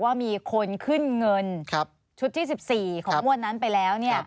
ว่ามีคนขึ้นเงินชุดที่๑๔ของงวดนั้นไปแล้ว